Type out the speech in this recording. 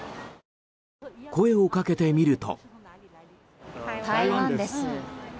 声をかけてみると。